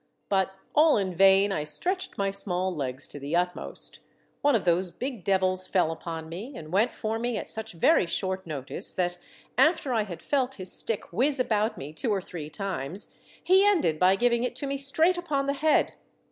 But all in vain I stretched my small legs to the utmost ; one of those big devils fell upon me, and went for me at IS 226 Monday Tales. such very short notice that after I had felt his stick whiz about me two or three times, he ended by giving it to me straight upon the head.